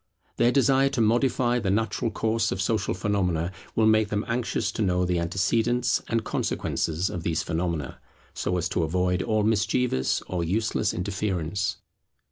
Their desire to modify the natural course of social phenomena will make them anxious to know the antecedents and consequences of these phenomena, so as to avoid all mischievous or useless interference.